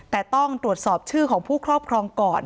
ต้องสอบชื่อของผู้ครอบครองก่อน